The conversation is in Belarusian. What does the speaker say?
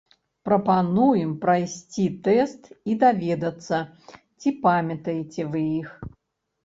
Прапануем прайсці тэст і даведацца, ці памятаеце вы іх.